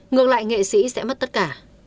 ngược lại nghệ sĩ sẽ mất tất cả